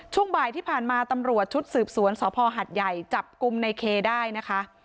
ช่วงบ่ายที่ผ่านมาตำรวจชุดสืบสวนสพหัดใหญ่จับกลุ่มในเคได้นะคะ